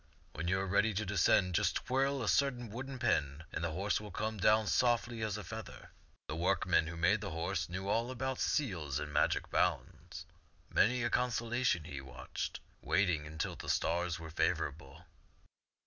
When you are ready to descend, just twirl a certain wooden pin, and the horse will come down as softly as a feather. The work t^t ^C|um'0 €at^ 167 man who made the horse knew all about seals and magic bonds. Many a constellation he watched, wait ing until the stars were favorable.